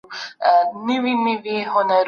روښانه فکر خپګان نه جوړوي.